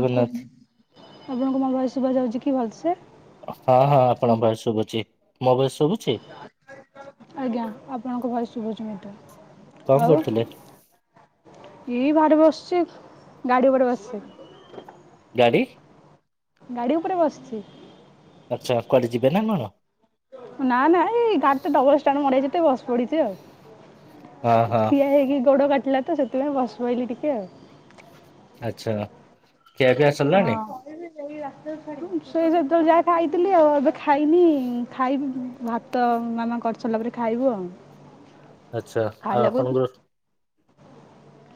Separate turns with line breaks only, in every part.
ଆକୁ ଆପଣଙ୍କୁ ମୋ ଭୟସ ଶୁଭା ଯାଉଛି କି ଭଲସେ?
ହଁ ହଁ ଆପଣଙ୍କ ଭଏସ ଶୁଭୁଚି, ମୋ ଭଏସ ଶୁଭୁଚି?
ଆଜ୍ଞା ଆପଣଙ୍କ ଭଏସ ଶୁଭୁଚି
କଣ
ମତେ। ଆଉ
କରୁଥିଲେ?
ଏଇ ଭା ବସଛି ଗାଡି ଉପରେ ବସିଛି।
ଗାଡ଼ି
ଗାଡ଼ି ଉପରେ ବସିଛି।
ଆଚ୍ଛା କୁଆଡେ ଯିବେ ନା କଣ?
ନା ନା ଏଇ ଗାଡିଟା ଡବଲଷ୍ଟାଣ୍ଡ ମରା ହେଇଚି ଟିକେ ବସି ପଡିଛି
ହଁ
ଆଉ।
ହଁ
ଠିଆ ହେଇକି ଗୋଡ କାଟିଲା ତ ସେଥିପାଇଁ ବସି ପଇଲି ଟିକେ ଆଉ।
ଆଛା।
ହଁ। ସେ ଯେତେବେଳେ ଯାହା ଖାଇଥିଲି ଆଉ ଏବେ ଖାଇନି ଖାଇବି ଭାତ ମାମା କ କରି ସାରିଲା ପରେ ଖାଇବୁ ଆଉ।
ଆଛା ଆଉ
ଖାଇଲାକୁ
ଆପଣଙ୍କ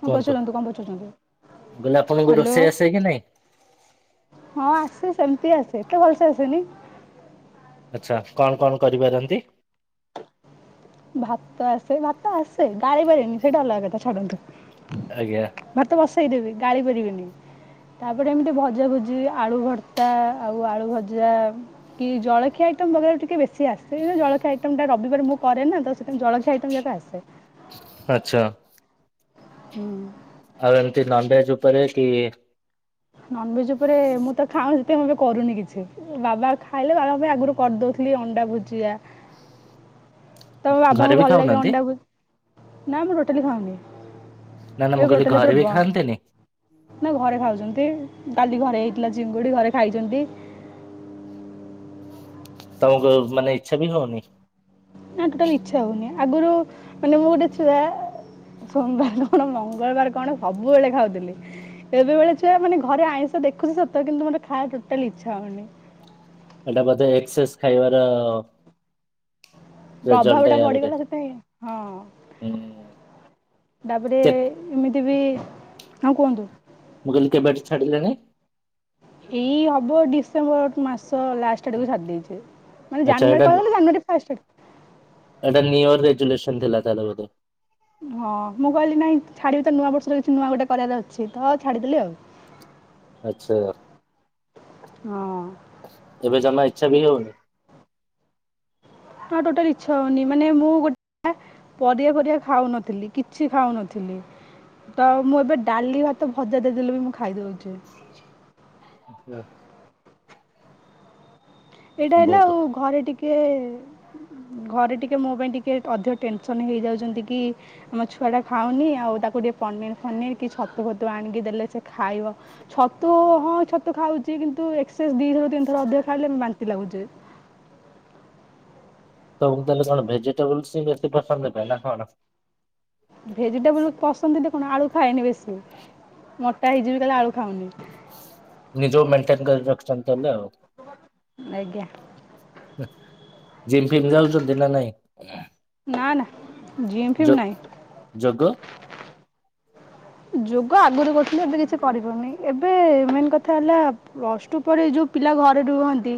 ହଁ ପଚାରନ୍ତୁ କଣ ପଚାରୁଛନ୍ତି?
ମୁଁ କହିଲି ଆପଣଙ୍କୁ
ହ୍ୟାଲୋ
ରୋଷେଇ ଆସେ କି ନାଇଁ?
ହଁ ଆସେ ସେମିତି ଆସେ ଏତେ ଭଲ ସେ ଆସେନି।
ଆଚ୍ଛା କଣ କଣ କରିପାରନ୍ତି?
ଭାତ ଆସେ ଭାତ ଆସେ ଗାଳି ପାରେନି ସେଇଟା ଅଲଗା କଥା ଛାଡନ୍ତୁ।
ଆଜ୍ଞା।
ଭାତ ବସେଇଦେବି ଗାଳି ପାରିବିନି। ତାପରେ ଏମିତି ଭଜା ଭୁଜି ଆଳୁ ଭର୍ତ୍ତା ଆଉ ଆଳୁ ଭଜା କି ଜଳଖିଆ ଆଇଟମ୍ [unintelligible] ଟିକେ ବେଶି ଆସେ ଜଳଖିଆ ଆଇଟମ ଟା ରବିବାର ମୁଁ କରେ ନା ତ ସେଥିପାଇଁ ଜଳଖିଆ ଆଇଟମ ଯାକ ଆସେ।
ଆଚ୍ଛା।
ହୁଁ।
ଆଉ ଏମିତି ନନଭେଜ ଉପରେ କି
ନନଭେଜ ଉପରେ ମୁଁ ତ ଖାଉନି ସେଥିପାଇଁ କରୁନି କିଛି ବାବା ଖାଇଲେ ବାବା ପାଇଁ ଆଗରୁ କରିଦଉଥିଲି ଅଣ୍ଡା ଭୁଜିଆ ତମ ବାବାଙ୍କୁ
ଘରେ ବି
ଭଲ ଲାଗେ
ଖାଉନାହାନ୍ତି?
ଅଣ୍ଡାକୁ ନା ମୁଁ ଟୋଟାଲି ଖାଉନି।
ନା ନା
ଏ
ମୁଁ କହିଲି
ଟୋଟାକି
ଘରେ
ପୁରା
ବି ଖାଆନ୍ତିନି
ବନ୍ଦ ନା ଘରେ ଖାଉଛନ୍ତି। ଛି କାଲି ଘରେ ହେଇଥିଲା ଚିଙ୍ଗୁଡି ଘରେ ଖାଇଛନ୍ତି।
ତମକୁ ମାନେ ଇଛା ବି ହଉନି?
ନା ଟୋଟାଲ ଇଚ୍ଛା ହଉନି ଆଗରୁ ମାନେ ମୁଁ ଗୋଟେ ଛୁଆ ସୋମବାର କଣ ମଙ୍ଗଳବାର କଣ ସବୁବେଳେ ଖାଉଥିଲି ଏବେବେଳେ ଛୁଆ ମାନେ ଘରେ ଆଇଁଷ ଦେଖୁଛି ସତ କିନ୍ତୁ ମୋର ଖାଇବାକୁ ଟୋଟାଲି ଇଛା ହଉନି।
ଏଟା ବୋଧେ ଏକ୍ସସ ଖାଇବାର ରେଜଲ୍ଟ
ପ୍ରଭାବଟା
ଏଇଆ ବୋଧେ
ପଡିଗଲା ସେଥିପାଇଁ ହଁ।
ହୁଁ।
ତାପରେ
କେ
ଏମିତି ବି ହଁ କୁହନ୍ତୁ?
ମୁଁ କହିଲି କେବେଠୁ ଛାଡ଼ିଲେଣି?
ଏଇ ହବ ଡିସେମ୍ବର ମାସ ଲାଷ୍ଟ ଆଡକୁ ଛଡି ଦେଇଛି। ମାନେ
ଆଚ୍ଛା ଏଇଟା
ଜାନୁଆରୀ କହିବ ମାନେ ଜାନୁଆରୀ ଫାର୍ଟ ରୁ ଚଡ଼ି ଦେଇଛି।
ଏଇଟା ନିୟୁୟର ରିଜୁଲେସନ୍ ଥିଲା ତାହେଲେ ବୋଧେ?
ହଁ ମୁଁ କହିଲି ନାଇଁ ଛାଡିବି ତ ନୂଆ ବର୍ଷ କିଛି ନୂଆ ଗୋଟେ କରାର ଅଛି ତ ଛାଡିଦେଲି ଆଉ।
ଆଚ୍ଛା।
ହଁ।
ଏବେ ଜମା ଇଚ୍ଛା ବି ହଉନି।
ମୋର ଟୋଟାଲି ଇଚ୍ଛା ହଉନି ମାନେ ମୁଁ ଗୋଟେ ପରିବା ଫରିବା ଖାଉନଥିଲି କିଛି ଖାଉନଥିଲି। ତ ମୁଁ ଏବେ ଡାଲି ଭାତ ଭଜା ଦେଇଦେଲେ ବି ମୁଁ ଖାଇଦଉ
ଆଚ୍ଛା।
ଏଇଟା ହେଲା
ବହୁତ
ଆଉ ଘରେ ଟିକେ ଘରେ ଟିକେ ମୋ ପାଇଁ ଟିକେ ଅଧିକ ଟେନସନ୍ ହେଇଯାଉଛନ୍ତି କି ମୋ ଛୁଆଟା ଖାଉନି ଆଉ ତାକୁ ଟିକେ ପନି ପନିର ଫନିର କି ଛତୁ ଫତୁ ଆଣିକି ଦେଲେ ସେ ଖାଇବ ଛତୁ ହଁ ଛତୁ ଖାଉଛି କିନ୍ତୁ ଏକ୍ସସେସ ଦିଥରୁ ତିନି ଥର ଅଧିକ ଖାଇଲେ ବାନ୍ତି ଲାଗୁଛି।
ତମକୁ ତାହେଲେ କଣ ଭେଜିଟେବଲସ ହିଁ ବେଶ୍
ଭେଜିଟେବଲ ପସନ୍ଦ [unintelligible] ଆଳୁ ଖାଏନି ବେଶି ମୋଟା ହେଇଯିବି କାଳେ ଆଳୁ ଖାଉନି
ନିଜକୁ ମେଣ୍ଟେନ କରିକି ରଖିଛନ୍ତି ତାହେଲେ ଆଉ।
ଆଜ୍ଞା।
ଜିମ୍ ଫିମ୍ ଯାଉଛନ୍ତି ନା ନାଇଁ?
ନା ନା ଜିମ୍ ଫିମ୍
ଯୋ
ନାଇଁ।
ଯୋଗ
ଯୋଗ ଆଗରୁ କରୁଥିଲି ଏବେ କିଛି କରିପାରୁନି ଏବେ ମେନ୍ କଥା ହେଲା ପ୍ଲସ୍ ଟୁ ପରେ ଯୋଉ ପିଲା ଘରେ ରୁହନ୍ତି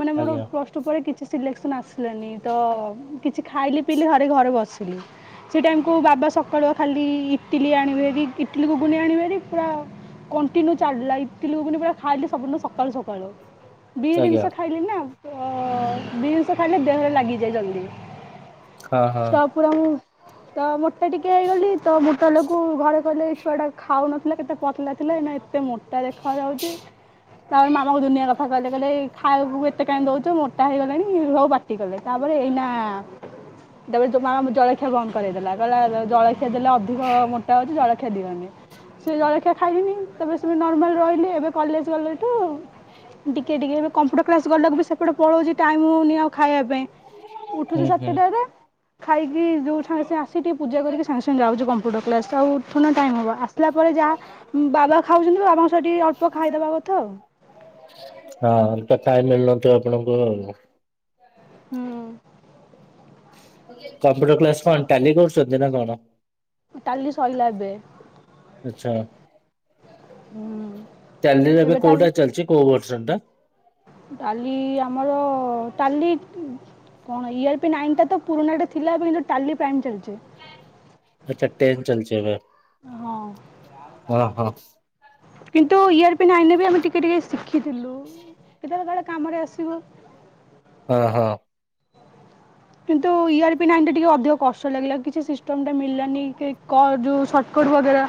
ମାନେ ମୋର
ଆଜ୍ଞା
ପ୍ଲସ୍ ଷ୍ଟୁ ପରେ କିଛି ସେକ୍ସନ ଆସିଲାନି ତ କିଛି ଖାଇଲି ପିଇଲିି ଘରେ ଘରେ ବସିଲି ସେ ଟାଇମ କୁ ବାବା ସକାଳୁ ଖାଲି ଇଟିଲି ଆଣିବେ ଇଟିଲି କୁ ଘୁଗୁନି ଆଣିବେ ହେରି ପୁରା କଣ୍ଟିନ୍ୟୁ ଚାଲିଲା ଲାଇ ଇଟିଲି ଘୁଘୁନି ପୁରା ଖାଇଲି ସବୁଦିନ ସକାଳୁ ସକାଳୁ। ବିରି
ଆଜ୍ଞା
ଜିନିଷ ଖାଇଲି ନା ଅ ବିରି ଜିନିଷ ଖାଇଲେ ଦେହରେ ଲାଗିଯାଏ ଜଲଦି।
ହଁ ହଁ।
ତ ପୁରା ମୁଁ ତ ମୋତେ ଟିକେ ହେଇଗଲି ତ ମୋଟା ହେଲାକୁ ଘରେ କହିଲେ ଏଇ ଛୁଆଟା ଖାଉନଥିଲା କେତେ ପତଲା ଥିଲା ଏଇ ଏତେ ମୋଟା ଦେଖା ଯାଉଛି। ତାପରେ ମାମାକୁ ଦୁନିଆ କଥା କହିଲେ କଲେ ଖାଇବାକୁ ଏତେ କାଇଁ ଦଉଛ ମୋଟା ହେଇଗଲେଣି ସବୁ ପାଟି କଲେ। ତାପରେ- ତାପରେ ଏଇନା- ତାପରେ ଜଳଖିଆ ବନ୍ଦ କରେଇଦେଲା କହିଲା ଜଳଖିଆ ଦେଲେ ଅଧିକ ମୋଟା ହ- ସେ ଜଳଖିଆ ଖାଇଲିନି ତାପରେ ସେ ନର୍ମାଲ ରହିଲି। ଏବେ କଲେଜ ଗଲେବି - ଟିକେ ଟିକେ କମ୍ପ୍ୟୁଟର କ୍ଲାସ ଗଲାକୁ ସେପଟେ ପଳଉଛି ଟାଇମ ହଉନି ଆଉ ଖାଇବା ପାଇଁ। ଉଠୁଛି
ହୁଁ ହୁଁ
ସାତଟାରେ। ଖାଇକି ଯେଉଁ ସାଙ୍ଗେ ସାଙ୍ଗ ଆସିିକି ପୂଜା କରିକି ସାଙ୍ଗେ ସାଙ୍ଗେ ଯାଉଛି କମ୍ପୁଟର କ୍ଲାସ ଆଉ। ନ ଟାଇମ ହବ। ଆସିଲା ପରେ ଯାହା ବାବା ଖାଉଛନ୍ତି। ବାବାଙ୍କ ସହ ଅଳ୍ପ ଖାଇଦବା କଥା ଆଉ।
ହଁ ତ ଟାଇମ ମିଳୁନଥିବ ଆପଣଙ୍କୁ ଆଉ।
ହୁଁ
କମ୍ପ୍ୟୁଟର କ୍ଲାସ କଣ ଟାଲି କରୁଛନ୍ତି ନା କଣ?
ଟାଲି ସଇଲା ଏବେ। ହୁଁ
ଟାଲିରେ ଏବେ କୋଉଟା ଚାଲିଛି କୋଉ ବସନ୍ ଟା?
ଟାଲି ଆମର ଟାଲି କଣ ଇୟର ପି ନାଇନ ଟା ତ ପୁରୁଣାଟେ ଥିଲା କିନ୍ତୁ ଟାଲି ପ୍ରାଇମ ଚାଲିଛି।
ଆଚ୍ଛା ଟେନ ଚାଲିଚି ଏବେ।
ହଁ
ଓହୋ ହଁ
କିନ୍ତୁ ଇର ପି ନାଇନେ ରେ ବି ଆମେ ଟିକେ ଟିକେ ସି ସିଖିଥିଲୁ କେତେବେଳେ କାଳେ କାମରେ ଆସିବ।
ହଁ ହଁ
କିନ୍ତୁ ଇର ପି ନାଇ ଟା ଟିକେ ଅଧିକ କଷ୍ଟ ଲାଗିଲା କିଛି ସିଷ୍ଟମ ଟା ମିଳିଲାନି କି କ ଯୋଉ ସଟକ ଟ ବଗେରା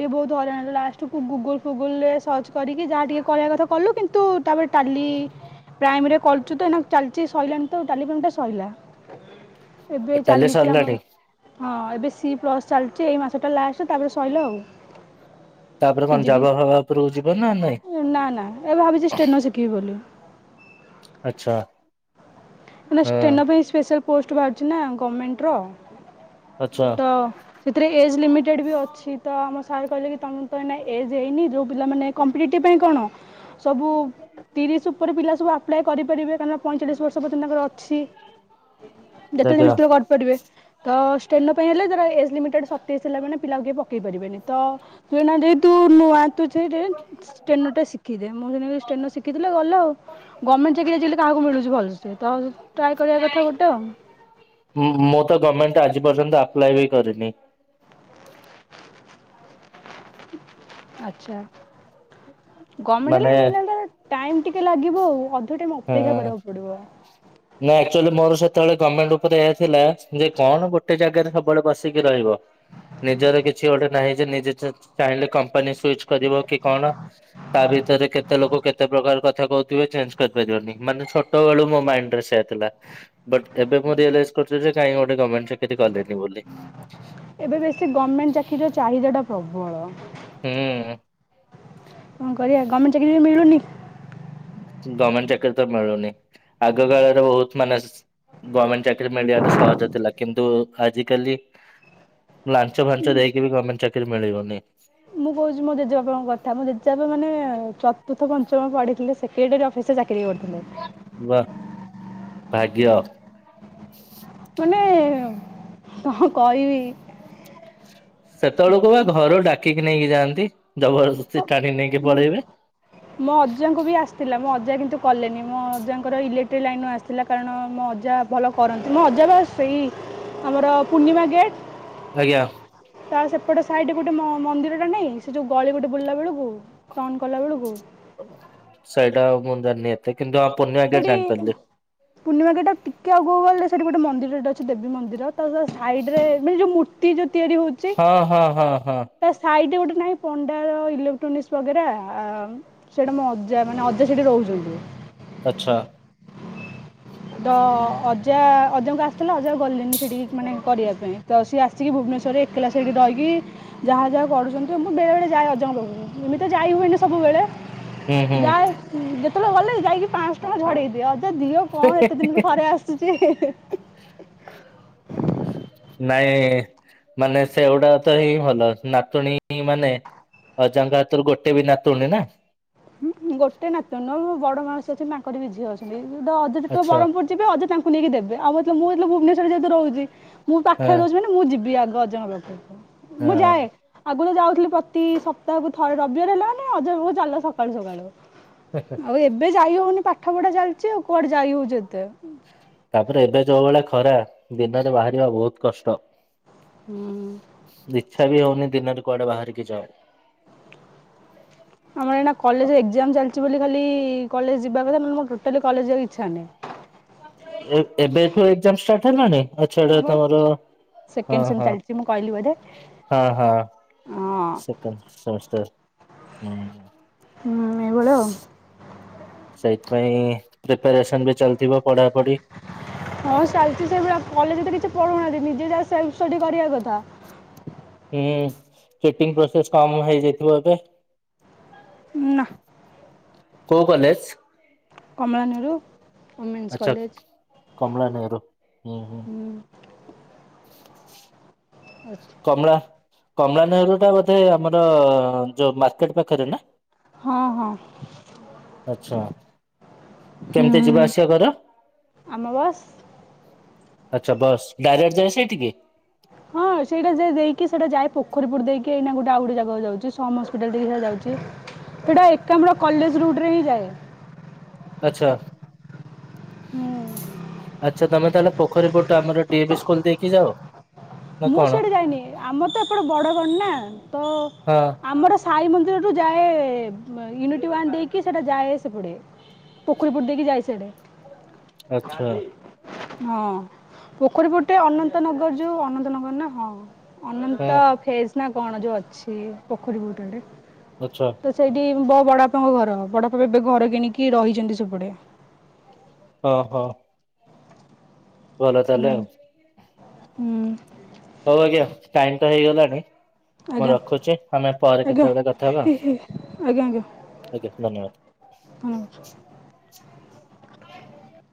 ଟେ ବହୁତ ହଇରାଣ ଲାଷ୍ଟକୁ ଗୁଗୁଲ ଫୁଗୁଲ ରେ ସର୍ଚ୍ଚ କରିକି ଯାହା ଟିକେଏ କରିବା କଥା କଲୁ କିନ୍ତୁ ତାପରେ ଟା ଲି ପ୍ରାଇମ ରେ କରୁଚୁ ତ ଏଇନା ଚାଲିଚି ସଇଲାଣିି ତ ଟାଲି ପ୍ରାଇମ ଟା ସଇଲା। ଏବେ
ଟାଲି
ଚାଲିଛି
ସରିଲାଣି?
ଆମର ହଁ ଏବେ ସି ପ୍ଲସ ଚାଲିଛି ଏଇ ମାସଟା ଲାଷ୍ଟ ତାପରେ ସଇଲା ଆଉ।
[inaudible] ତାପରେ କଣ
ପିଜିଡ଼ି
ଜାଭା ଭାବା ଉପରକୁ ଯିବ ନା ନାଇଁ
ନା ନା ଏବେ ଭାବିଛି ଷ୍ଟେନୋ ଶିଖିବି ବୋଲି
ଆଛା
ହେଲେ ଷ୍ଟେନ ପାଇଁ ସ୍ପେଶାଲ ପୋଷ୍ଟ ବାହାରୁଛି ନା ଗମେଣ୍ଟ ର
ଆଛା
ସେଥିରେ ଏଜ୍ ଲିମିଟେଡ୍ ବି ଅଛି ତ ଆମ ସାର୍ କହିଲେ କି ତମର ତ ଏଇନା ଏଜ୍ ହେଇନି ଯେଉଁ ପିଲାମାନେ କମ୍ପିଟେଟିଭ୍ କଣ ସବୁ ତିରିଶି ଉପରେ ପିଲା ସବୁ ଆପ୍ଲାଏ କରିପାରିବେ କାରଣ ପଇଁଚାଳିଶ ବର୍ଷ ପ ତାଙ୍କର ଅଛି ଯେତେବେଳେ
ଆଜ୍ଞା
ସେତେବେଳେ ବି କରିପାରିବେ ତ ଟେନ ପାଇଁ ହେଲେ ତାର ଏଜ ଲିମିଟେଡ୍ ସତେଇଶ ହେଲା ମାନେ ପିଲା କିଏ ପକେଇ ପାରିବେନି ତ ଏଇନା ଯେହେତୁ ନୂଆଁ ତୁ ସେଇଟି ଷ୍ଟେନଟା ଶିଖିଦେ ମୁଁ ସେ ଷ୍ଟେନୋ ଶିଖିଥିଲେ ଗଲା ଆଉ। ଗମେଣ୍ଟ ଚାକିରି ଆଜିକାଲି କହାକୁ ମିଳୁଛି ଭ ତ ଟ୍ରାଏ କରିବା କଥା ଗୋଟେ ଆ
ମୁଁ ତ ଗମେଣ୍ଟ ଆଜି ପର୍ଯ୍ୟନ୍ତ ଆପ୍ଲାୟେ ବି କରିନି
ଆଚ୍ଛା ଗମେଣ୍ଟ ହେଲେ
ମାନେ
ମେନ୍ ହେଲା ଟାଇମ୍ ଟିକେ ଲାଗିବ ଆଉ ଅଧିକ ଟାଇମ ଅପେକ୍ଷା କରିବାକୁ ପଡିବ।
ମୁଁ ଅକ୍ଚୁଆଲି ମୋ ଯେତେବେଳେ ଗମେଣ୍ଟ ଉପରେ ଏଜ ହେଲା ଯେ କଣ ଗୋଟେ ଜାଗାରେ ସବୁବେଳେ ବସିକି ରହିବ। ନିଜର କିଛି ଗୋଟେ ନାହିଁ ଯେ ନିଜେ ଚାହିଁଲେ କମ୍ପାନୀ ସୁଇଚ କରିବ କି କଣ ତା ଭିତରେ କେତେ ଲୋକ କେତେ ପ୍ରକାର କଥା କହୁଥିବେ ଚେଞ୍ଜ କରିପାରିବନି ମାନେ ଛୋଟ ବେଳୁ ମୋ ମାଇଣ୍ଡ ରେ ସେଟ ଥିଲା ବଟ ଏବେ ମୁଁ ରିୟଲାଇଜ କରୁଚି ଯେ କାଇଁ ଗୋଟେ ଗମୋଣ୍ଟ ଚାକିରି କଲିନି। ବୋଲି
ଏବେ ବେଶୀ ଗମେଣ୍ଟ ଚାକିରିର ଚାହିଦା ଟା ପ୍ରବଳ। କଣ
ହୁଁ
କରିବା ଗମେଣ୍ଟ ଚାକିରି ବି ମିଳୁନି।
ଗମେଣ୍ଟ ଚାକିରି ତ ମିଳୁନି ଆଗ କାଳରେ ବହୁତ ମାନେ ଗମେଣ୍ଟ ଚାକିରିୀ ମିଳିବାଟା ସହଜ ଥିଲା କିନ୍ତୁ ଆଜିକାଲି ଲାଞ୍ଚ ଫାଞ୍ଚ ଦେଇକି ବି ଗମେଣ୍ଟ ଚାକିରି ମିଳିବନି।
ମୁଁ କହୁଛି ମୋ ଜେଜେବାପାଙ୍କ କଥା ମୋ ଜେଜେବାପା ମାନେ ଚତୁର୍ଥ ପଞ୍ଚମ ପଢିଥିଲେ ସେକ୍ରେଟେରୀ ଅଫିସରେ ଚା କରିଥିଲେ।
ବା ଭାଗ୍ୟ
ମାନେ କଣ କହିବି?
ସେତେବେଳକୁ ବା ଘରୁ ଡାକିକି ନେଇକି ଯାଆନ୍ତି। ଜବରଦସ୍ତି ଟାଣି ନେଇକି ପଳେଇବେ
ମୋ ଅଜାଙ୍କୁ ବି ଆସିଥିଲା ମୋ ଅଜା କିନ୍ତୁ କଲେନି ମୋ ଅଜାଙ୍କର ଇଲେକ୍ଟ୍ରି ଲାଇନରୁ ଆସିଥିଲା କାରଣ ମୋ ଅଜା ଭଲ କରନ୍ତି ମୁଁ ଅଜା ବା ସେଇ ଆମର ପୂର୍ଣ୍ଣିମା ଗେଟ୍
ଆଜ୍ଞା।
ତା ସେପଟେ ସାଇଡ଼ ଗୋଟେ ମ ମନ୍ଦିରଟା ନାହିଁ ସେ ଯେଉଁ ଗଳି ଗୋଟେ ବୁଲିଲା ବେଳକୁ ଟର୍ଣ୍ନ କଲାବେଳକୁ।
ସେଇଟା ମୁଁ ଜାଣିନି ଏତେ କିନ୍ତୁ ହଁ ପୂର୍ଣ୍ଣିମା ଗେଟ
ସେଠି
ଜାଣିପାରିଲି
ପୂର୍ଣ୍ଣିମା କେଟା ଟିକେ ଆଉ କୋଉ ଗଳିରେ ସେଠି ଗୋଟେ ମନ୍ଦିର ଟେ ଅଛି ଦେବୀ ମନ୍ଦିର ତା ତା ସାଇଡ ରେ ଯୋଉ ମୂର୍ତ୍ତି ଯୋଉ ତିଆରି ହଉଛି
ହଁ ହଁ ହଁ ହଁ।
ତା ସାଇଡ ରେ ଗୋଟେ ନାଇଁ ପଣ୍ଡାର ଇଲେକ୍ଟ୍ରୋନିକ୍ସ ବେଗେରା ସେଇଟା ମ ଅଜା ମାନେ ଅଜା ସେଠି ରହୁଛନ୍ତି।
ଆଛା।
ତ ଅଜା ଅଜାଙ୍କୁ ଆସିଥିଲା ଅଜା ଗଲେଣିି ସେଠିକି ମାନେ କରିବା ପାଇଁ ତ ସିଏ ଆସିକି ଭୁବନେଶ୍ୱରରେ ଏକଲା ସେଇିକି ରହିକି ଯାହା ଯାହା କରୁଛନ୍ତି ମୁଁ ବେଳେବେଳେ ଯାଏ ଅଜାଙ୍କ ପାଖକୁ ଏମିତି ତ ଯାଇ ହୁଏନି ସବୁବେଳେ।
ହୁଁ ହୁଁ
ଯାଏ ଯେତେବେଳେ ଗଲେ ଯାଇକି ପାଞ୍ଚଶହ ଟଙ୍କା ଝଡେଇ ଦିଅ ଦିଅ କଣ ଏତେ ଥରେ ଆସୁଛି ହେଁ ହେଁ।
ନାଇଁ ମାନେ ସେଗୁଡା ତ ହିଁ ଭଲ ନାତୁଣୀ ମାନେ ଆଉ ଅଜା ଙ୍କ ହାତରୁ ଗୋଟେ ବି ନାତୁଣୀ ନା।
ହୁଁ ଗୋଟେ ନାତୁଣୀ ନୁହଁ ମୋ ବଡ ମାଉସୀ ଅଛି ତାଙ୍କରି ବି ଝିଅ ଅଛନ୍ତି। ଯ ଅଜା ଯେତେବେଳ
ଆଚ୍ଛା।
ବ୍ରହ୍ମପୁର ଯିବେ ଅଜା ତାଙ୍କୁ ନେଇକି ଦେବେ ଆଉ ମୁଁ ଯେ ଭୁବନେଶ୍ୱରରେ ଯେହେତୁ ରହୁଛି ମୁଁ ପାଖରେ
ହଁ
ରହୁଛି ମାନେ ମୁଁ ଯିବି ଆଗ ଅଜା ଙ୍କ ପାଖକୁ
ହଁ
ଯାଏ ଆଗରୁ ଯାଉଛି। ପ୍ରତି ସପ୍ତାହକୁ ଥରେ ରବିବାର ହେଲା ମାନେ ଅଜା ଚାଲ ସକାଳୁ ସକାଳୁ ଆଉ ଏବେ ଯାଇ ହଉନି ପାଠ ପଢା ଚାଲିଛି ଆଉ କୁଆଡେ ଯାଇ ହଉଛି ଏତେ।
ତାପରେ ଏବେ ଯୋଉବେଳେ ଖରା ଦିନରେ ବାହାରିବା ବହୁତ କଷ୍ଟ।
ହୁଁ
ଇଛା ବି ହଉନି ଦିନରେ କୁଆଡେ ବାହାରିକି ଯାଉ। [inaudible]
ଆମର ଏଇନା କଲେଜ ଏକ୍ସାଂ ଚାଲିଛି ବୋଲି ଖାଲି କଲେଜ୍ ଯିବା କଥା ନହେଲେ ମୋର ଟୋଟଲି କଲେଜ୍ ଯିବାକୁ ଇଚ୍ଛା ନାହିଁ।
ଏ ଏବେଠୁ ଏକ୍ଜାମ ଷ୍ଟାର୍ଟ ହେଲାଣି। ଆଛାଟା
ଆମର
ତମର ହଁ
ସେକେଣ୍ଡ ସେମ୍
ହଁ
ଚାଲିଛି ମୁଁ କହିଲି ବୋଧେ
ହଁ ହଁ। ସେକେଣ୍ଡ ସେମି ଷ୍ଟାର୍ ହୁଁ।
ହୁଁ ଏଇଭଳି ଆଉ।
ସେଇଥିପାଇଁ ପ୍ରିପାରେସନ ବି ଚାଲିଥିବ। ପଢାପଢି
ହଁ ଚାଲିଛି ସେଇଭଲିଆ। କଲେଜ ରେ ତ କିଛି ପଢ଼ଉ ନାହାନ୍ତି ନିଜେ ଯାହା ସେଲ୍ଫ ଷ୍ଟଡି କରିବା କଥା।
ହୁଁ ଚୁଟିଂ ପ୍ରୋସେସ କମ ହେଇଯାଇଥିବ ଏବେ
ନା।
କୋଉ college?
Kamala Nehru women's college.
Kamala Nehru ହୁଁ ହୁଁ। କମଳା କମଳା ନେହେରୁ ଟା ବୋଧେ ଆମର ଯୋଉ ମାର୍କେଟ ପାଖରେ ନା।
ହଁ ହଁ।
ଆଚ୍ଛା। କେମିତି
ହୁଁ।
ଯିବା ଆସିବା କର?
ଆମ ବସ୍
ଆଚ୍ଛା ବସ୍ ଡାଇରେକ୍ଟ ଯାଏ ସେଇଠିକି?
ହଁ ସେଇଟା ଯେ ଦେଇ କି ସେଇଟା ଯାଏ ପୋଖରୀୁପୁଟ ଦେଇକି ଏଇନା ଗୋଟେ ଆଉ ଗୋଟେ ଜାଗାକୁ ଯାଉଛି ସମ ହସ୍ପିଟାଲ ଦେଇକି ଯାଉଛି। ସେଇଟା ଏକାମ୍ର କଲେଜ୍ ରୁଟରେ ହିଁ ଯାଏ।
ଆଚ୍ଛା।
ହୁଁ।
ଆଚ୍ଛା ତମେ ତାହେଲେ ପୋଖରୀ ପୂଟ ଆମର ଡି ଏ ଭି ସ୍କୁଲ ଦେଇକି ଯାଅ? ନା
ମୁଁ
କଣ?
ସେଇଠି ଯାଇନି ଆମର ତ ଏପଟେ ବଡଗଣ ନା ତ
ହଁ
ଆମର ସାଇ ମନ୍ଦିର ଠୁ ଯାଏ ୟୁନିଟ୍ ୱଆନ୍ ଦେଇକି ସେଟା ଯାଏ ସେପଟେ। ପୋଖରୀପୁୁଟ୍ ଦେଇକି ଯାଇ ସେପଟେ।
ଆଚ୍ଛା
ହଁ ପୋଖରୀ ପଟେ ଅନନ୍ତନଗର ଯୋଉ ଅନନ୍ତ ର ନା ହଁ
ହଁ
ଅନନ୍ତ ଫେଜ ନା କଣ ଯୋଉ ଅଛି ପୋଖରୀ ପଟରେ।
ଆଚ୍ଛା
ତ ସେଇଟି ମୋ ବଡ ବାପାଙ୍କ ଘର ବଡ ବାପା ଏବେ ଘର କିଣିକି ରହିଛନ୍ତି ସପଟେ।
ହ ହୋ। ଭଲ
ହୁଁ।
ତାହେଲେ ଆଉ।
ହୁଁ।
ହଉ ଆଜ୍ଞା ଟାଇମ ତ ହେଇଗଲାଣି। ମୁଁ
ଆଜ୍ଞା
ରଖୁଛି ଆମେ ପରେ
ଆଜ୍ଞା।
କେତେବେଳେ କଥା ହେବା।
ଏ ହେ
ଆଜ୍ଞା ଧନ୍ୟବାଦ।
ହଁ।